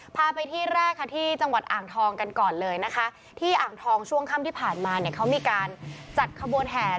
พาไปที่แรกค่ะที่จังหวัดอ่างทองกันก่อนเลยนะคะ